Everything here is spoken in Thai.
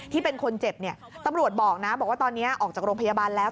ที่เป็นคนเจ็บเนี่ยตำรวจบอกนะบอกว่าตอนนี้ออกจากโรงพยาบาลแล้ว